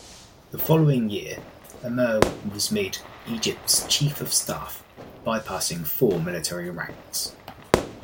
The following year, Amer was made Egypt's Chief-of-Staff, bypassing four military ranks.